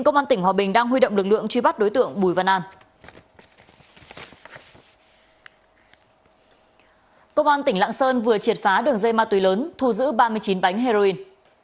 công an tỉnh lạng sơn vừa triệt phá đường dây ma túy lớn thu giữ ba mươi chín bánh heroin